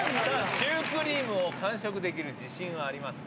シュークリームを完食できる自信はありますか？